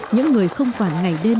những người không quản ngày đêm